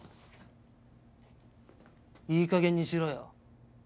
いいかげんにしろよ。